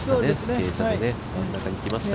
傾斜で真ん中に来ました。